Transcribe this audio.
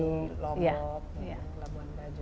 bali lombok labuan bajo